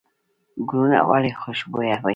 ګلونه ولې خوشبویه وي؟